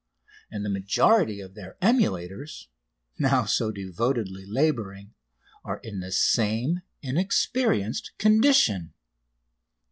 And the majority of their emulators, now so devotedly labouring, are in the same inexperienced condition.